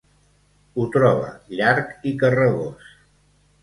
Ho troba llarg i carregós.